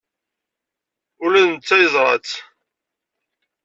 Ula d netta yeẓra-tt.